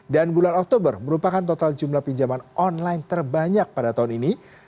dan bulan oktober merupakan total jumlah pinjaman online terbanyak pada tahun ini